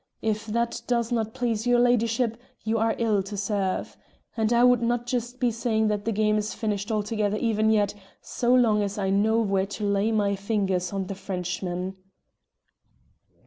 If that does not please your ladyship, you are ill to serve. And I would not just be saying that the game is finished altogether even yet, so long as I know where to lay my fingers on the Frenchman."